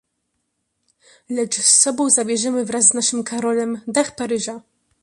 "Lecz z sobą zabierzemy wraz z naszym Karolem, dach Paryża."